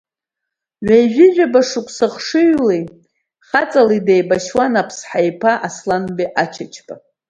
Ҩажәижәаба шықәса хшыҩлеи, хаҵалеи деибашьуан Аԥсҳа иԥа Асланбеи Ачачба.